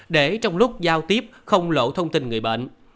để trong lúc giao tiếp không lộ thông tin người bệnh